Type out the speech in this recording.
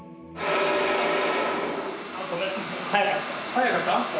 早かった？